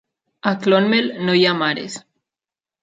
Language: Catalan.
A Clonmel no hi ha mares.